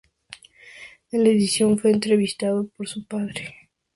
En la edición, fue entrevistado por su padre.